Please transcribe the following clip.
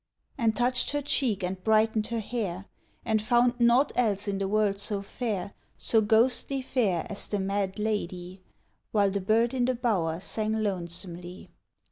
_) And touched her cheek and brightened her hair, And found naught else in the world so fair, So ghostly fair as the mad ladye, While the bird in the bower sang lonesomely.